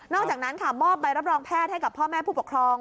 อกจากนั้นค่ะมอบใบรับรองแพทย์ให้กับพ่อแม่ผู้ปกครอง